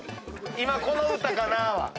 今この歌かなは。